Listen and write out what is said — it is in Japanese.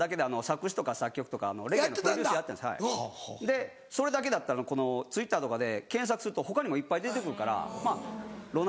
でそれだけだったらＴｗｉｔｔｅｒとかで検索すると他にもいっぱい出てくるからロナウドの。